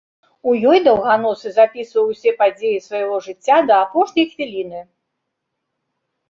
У ёй даўганосы запісваў усе падзеі свайго жыцця да апошняй хвіліны.